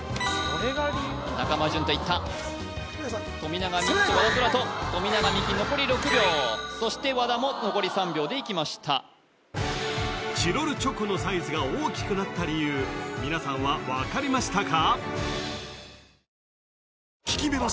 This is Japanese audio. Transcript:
中間淳太いった富永美樹と和田空大富永美樹残り６秒そして和田も残り３秒でいきましたチロルチョコのサイズが大きくなった理由皆さんは分かりましたか？